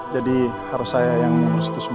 jadi harus saya yang mengurus itu semua